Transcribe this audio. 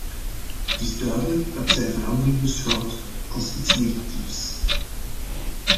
Het is duidelijk dat zij verandering beschouwt als iets negatiefs.